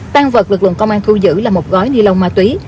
tăng vật lực lượng công an thu giữ là một gói ni lông ma túy